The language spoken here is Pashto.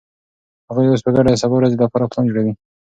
هغوی اوس په ګډه د سبا ورځې لپاره پلان جوړوي.